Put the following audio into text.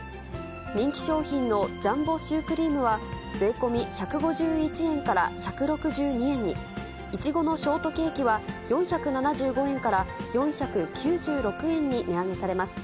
人気商品のジャンボシュークリームは、税込み１５１円から１６２円に、苺のショートケーキは４７５円から４９６円に値上げされます。